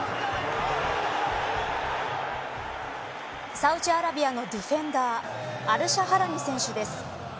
サウジアラビアのディフェンダーアルシャハラニ選手です。